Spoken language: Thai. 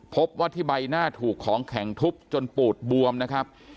พบว่าที่ใบหน้าถูกของแข็งทุบจนปูดบวมนะครับ